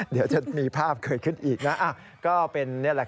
เดี๋ยวจะมีภาพเกิดขึ้นอีกนะ